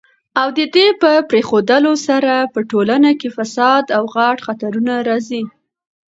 او ددي په پريښودلو سره په ټولنه کي فساد او غټ خطرونه راځي